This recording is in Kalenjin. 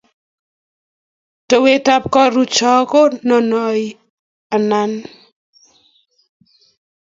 Towet ab karuchan ko nono any.